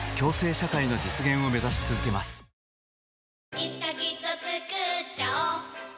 いつかきっとつくっちゃおう